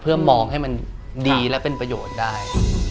เพื่อมองให้มันดีและเป็นประโยชน์ได้